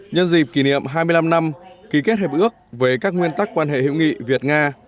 nhân dịp kỷ niệm hai mươi năm năm ký kết hiệp ước về các nguyên tắc quan hệ hữu nghị việt nga